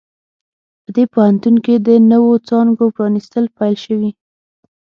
په دې پوهنتون کې د نوو څانګو پرانیستل پیل شوي